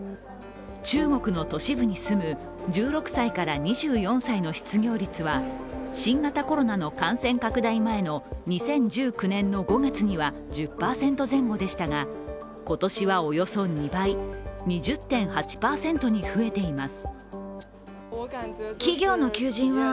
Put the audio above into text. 中国の都市部に住む１６歳から２４歳の失業率は新型コロナの感染拡大前の２０１９年の５月には、１０％前後でしたが今年はおよそ２倍２０．８％に増えています。